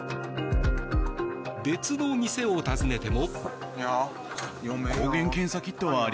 別の店を訪ねても。